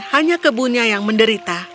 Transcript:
hanya kebunnya yang menderita